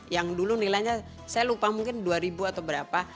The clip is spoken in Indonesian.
yang dulu nilainya saya lupa mungkin dua ribu atau berapa